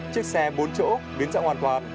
chiếc xe bốn chỗ biến trạng hoàn toàn